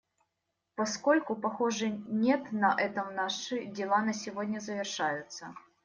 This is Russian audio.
Поскольку, похоже, нет, на этом наши дела на сегодня завершаются.